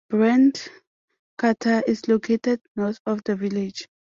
The Brent crater is located north of the village.